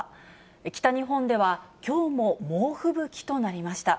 北日本ではきょうも猛吹雪となりました。